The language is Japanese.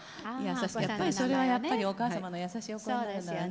やっぱりそれはやっぱりお母様の優しいお声になるならね。